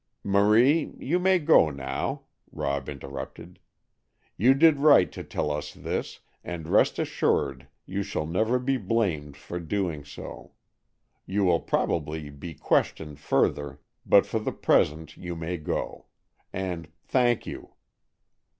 "Marie, you may go now," Rob interrupted; "you did right to tell us this, and rest assured you shall never be blamed for doing so. You will probably be questioned further, but for the present you may go. And thank you."